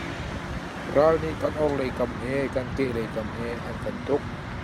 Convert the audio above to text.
Ral nih kan orhlei kam he kan kehlei kam he an kan tuk.